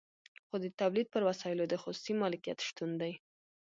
خو د تولید پر وسایلو د خصوصي مالکیت شتون دی